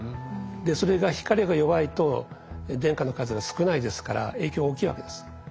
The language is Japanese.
それが光が弱いと電荷の数が少ないですから影響大きいわけです。